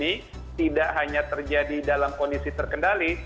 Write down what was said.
ini tidak hanya terjadi dalam kondisi terkendali